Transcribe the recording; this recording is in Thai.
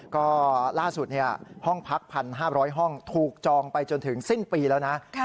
ก็ล่าสุดห้องพัก๑๕๐๐ห้องถูกจองไปจนถึงสิ้นปีแล้วนะ